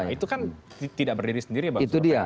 itu kan tidak berdiri sendiri itu dia